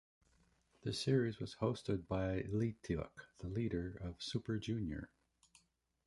The series was hosted by Leeteuk, the leader of Super Junior.